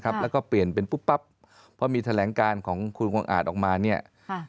แล้วก็เปลี่ยนเป็นปุ๊บปั๊บพอมีแถลงการของคุณคงอาจออกมาเนี่ย